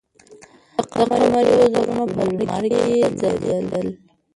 د قمرۍ وزرونه په لمر کې ځلېدل.